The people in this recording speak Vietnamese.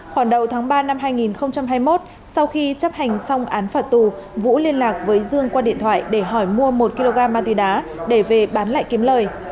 khoảng đầu tháng ba năm hai nghìn hai mươi một sau khi chấp hành xong án phạt tù vũ liên lạc với dương qua điện thoại để hỏi mua một kg ma túy đá để về bán lại kiếm lời